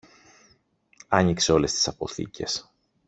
άνοιξε όλες τις αποθήκες